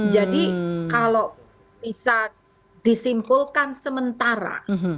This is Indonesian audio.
jadi kalau bisa disimpulkan sementara